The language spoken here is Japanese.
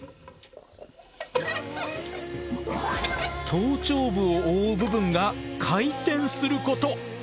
頭頂部を覆う部分が回転すること！